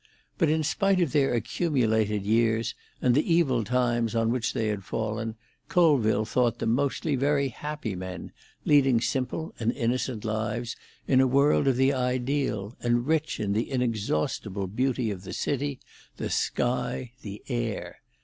But in spite of their accumulated years, and the evil times on which they had fallen, Colville thought them mostly very happy men, leading simple and innocent lives in a world of the ideal, and rich in the inexhaustible beauty of the city, the sky, the air.